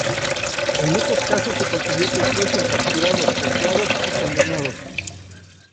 En muchos casos se consiguió que fuesen capturados, juzgados y condenados.